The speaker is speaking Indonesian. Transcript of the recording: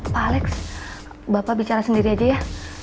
pak alex bapak bicara sendiri aja ya